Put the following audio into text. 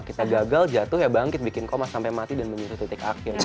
kita gagal jatuh ya bangkit bikin koma sampai mati dan menyusut titik akhir gitu